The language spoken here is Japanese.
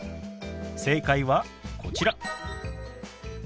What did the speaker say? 正解はこちら。